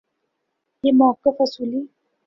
یہ موقف اصولی